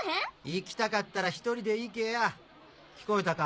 行きたかったら１人で行けや聞こえたか？